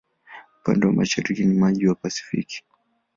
Upande wa mashariki ni maji ya Pasifiki.